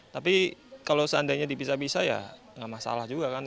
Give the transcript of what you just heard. tapi kalau seandainya dipisah pisah ya nggak masalah juga kan